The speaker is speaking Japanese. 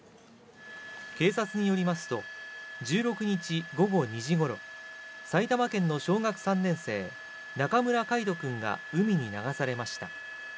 警察によりますと１６日午後２時頃、埼玉県の小学３年生、中村櫂斗君が海に流されました。